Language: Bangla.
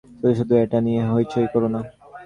শুধু শুধু এটা নিয়ে হইচই করোনা।